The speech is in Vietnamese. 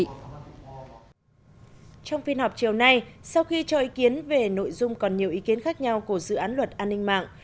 trong phiên họp chiều nay sau khi cho ý kiến về nội dung còn nhiều ý kiến khác nhau của dự án luật an ninh mạng